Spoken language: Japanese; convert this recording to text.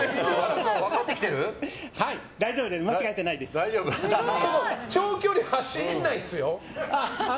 大丈夫です長距離走らないですよ？